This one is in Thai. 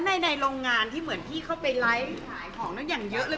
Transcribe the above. ในโรงงานที่เหมือนพี่เข้าไปไลฟ์ขายของนั้นอย่างเยอะเลย